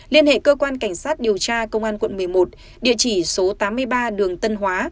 liên hệ cơ quan cảnh sát điều tra công an quận một mươi một địa chỉ số tám mươi ba đường tân hóa